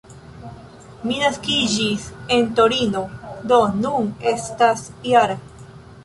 Li naskiĝis en Torino, do nun estas -jara.